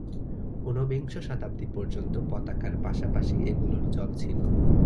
ঊনবিংশ শতাব্দী পর্যন্ত পতাকার পাশাপাশি এগুলোর চল ছিল।